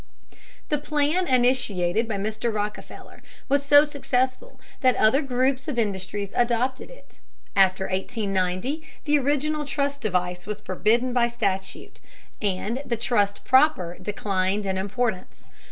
The plan initiated by Mr. Rockefeller was so successful that other groups of industries adopted it. After 1890 the original trust device was forbidden by statute, and the trust proper declined in importance.